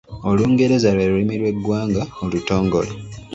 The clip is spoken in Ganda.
Olungereza lwe lulimi lw’eggwanga olutongole.